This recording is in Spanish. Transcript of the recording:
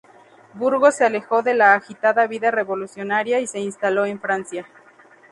Burgos se alejó de la agitada vida revolucionaria y se instaló en Francia.